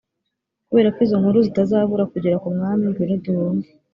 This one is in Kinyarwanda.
kubera ko izo nkuru zitazabura kugera ku mwami ngwino duhunge